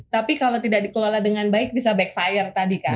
tapi kalau tidak dikelola dengan baik bisa backfire tadi kan